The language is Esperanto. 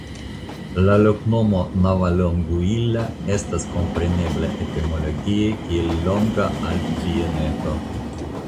La loknomo "Navalonguilla" estas komprenebla etimologie kiel "Longa Altbieneto".